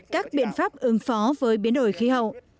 các biện pháp ứng phó với biến đổi khí hậu